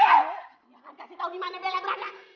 aku gak akan kasih tau dimana beliau berada